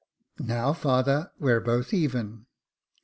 Now, father, we're both even."